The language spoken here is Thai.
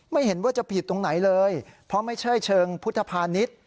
ไม่เห็นว่าจะผิดตรงไหนเลยเพราะไม่ใช่เชิงพุทธภานิษฐ์